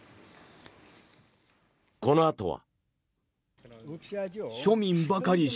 このあとは。